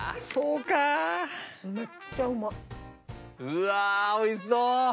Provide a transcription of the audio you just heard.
うわ美味しそう！